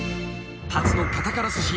［初のカタカナスシ］